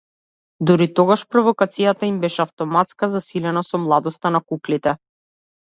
Дури тогаш провокацијата им беше автоматска, засилена со младоста на куклите.